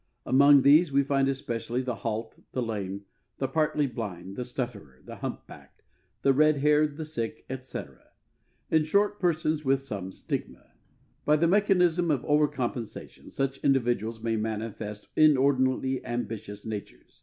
Amongst these we find especially the halt, the lame, the partly blind, the stutterer, the humpbacked, the red haired, the sick, etc. in short, persons with some stigma. By the mechanism of over compensation such individuals may manifest inordinately ambitious natures.